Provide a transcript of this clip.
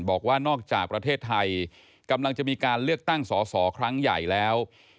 บอกว่านอกจากประเทศไทยกำลังจะมีการเลือกตั้งสอสอครั้งใหญ่แล้ว